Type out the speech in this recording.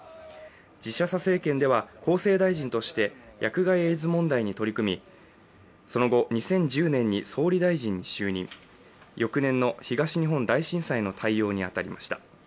自社さ政権では厚生大臣として薬害エイズ問題に取り組みその後、２０１０年に総理大臣に就任、翌年の東日本大震災の対応に当たりました。